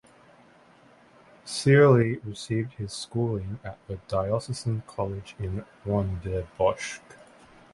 Searle received his schooling at the Diocesan College in Rondebosch.